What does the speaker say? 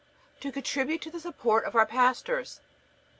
To contribute to the support of our pastors.